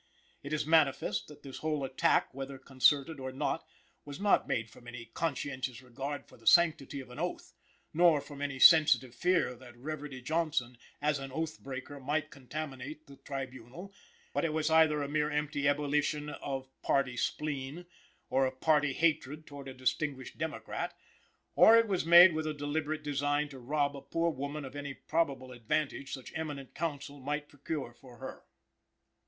It is manifest that this whole attack, whether concerted or not, was not made from any conscientious regard for the sanctity of an oath, nor from any sensitive fear that Reverdy Johnson, as an oath breaker, might contaminate the tribunal; but it was either a mere empty ebullition of party spleen, or of party hatred towards a distinguished democrat, or it was made with a deliberate design to rob a poor woman of any probable advantage such eminent counsel might procure for her.